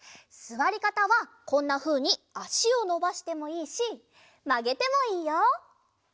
すわりかたはこんなふうにあしをのばしてもいいしまげてもいいよ！